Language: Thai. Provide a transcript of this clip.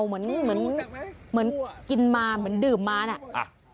เหมือนกินมาเหมือนดื่มมานะ